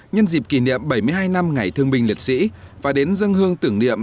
nhân dịp kỷ niệm bảy mươi hai năm ngày thương binh liệt sĩ và đến dân hương tưởng niệm